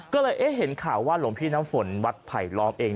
ก็เลยเอ๊ะเห็นข่าวว่าหลวงพี่น้ำฝนวัดไผลล้อมเอง